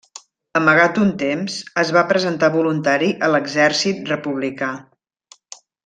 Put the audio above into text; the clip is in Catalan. Amagat un temps, es va presentar voluntari a l'Exèrcit Republicà.